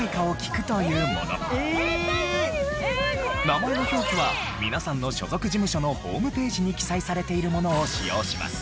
名前の表記は皆さんの所属事務所のホームページに記載されているものを使用します。